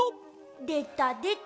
でたでた！